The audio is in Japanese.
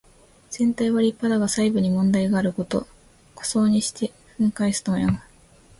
全体は立派だが細部に問題があること。「狐裘にして羔袖す」とも読む。